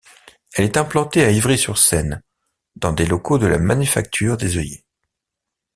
Elle est implantée à Ivry-sur-Seine, dans des locaux de la Manufacture des œillets.